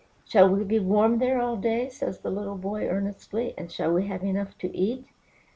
"Shall we be warm there all day?" says the little boy earnestly; "and shall we have enough to eat?"